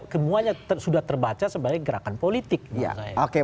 kemuliaan sudah terbaca sebagai gerakan politik